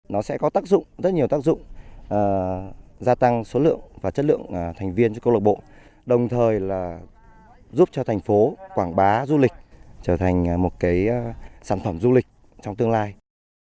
nó sẽ có tác dụng rất nhiều tác dụng gia tăng số lượng và chất lượng thành viên cho câu lạc bộ đồng thời là giúp cho thành phố quảng bá du lịch trở thành một cái sản phẩm du lịch trong tương lai